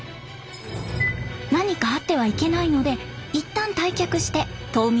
何かあってはいけないので一旦退却して島民を捜すことに。